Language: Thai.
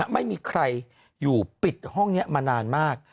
ไม่มีใครอยู่ปิดห้องนี้มานานมาก